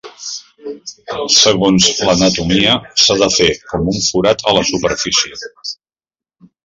Segons l'anatomia s'ha de fer com un forat a la superfície.